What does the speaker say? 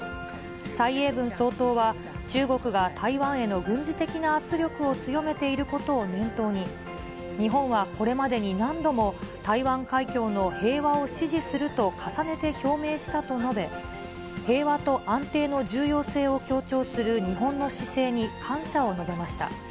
蔡英文総統は、中国が台湾への軍事的な圧力を強めていることを念頭に、日本はこれまでに何度も台湾海峡の平和を支持すると重ねて表明したと述べ、平和と安定の重要性を強調する日本の姿勢に感謝を述べました。